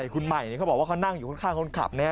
คุณใหม่เขาบอกว่าเขานั่งอยู่ข้างคนขับเนี่ย